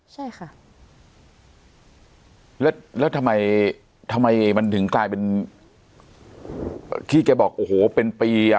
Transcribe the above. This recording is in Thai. ใช่ค่ะแล้วแล้วทำไมทำไมมันถึงกลายเป็นที่แกบอกโอ้โหเป็นปีอ่ะ